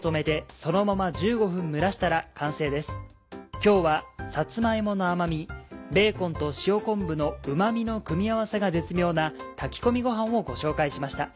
今日はさつま芋の甘みベーコンと塩昆布のうま味の組み合わせが絶妙な炊き込みごはんをご紹介しました。